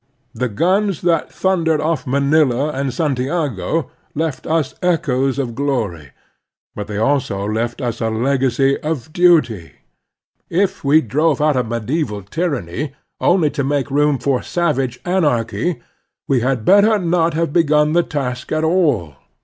The guns that thundered off Manila and Santiago left us echoes of glory, but they also left us a legacy of duty. If we drove otiFT a medieval t)n:anny only to make room for savageV anarchy, we had better not have begun the taskjr at all.